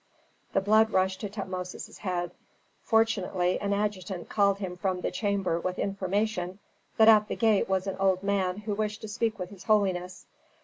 The blood rushed to Tutmosis' head. Fortunately an adjutant called him from the chamber with information that at the gate was an old man who wished to speak with his holiness.